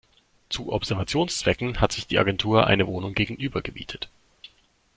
Zu Observationszwecken hat sich die Agentur eine Wohnung gegenüber gemietet.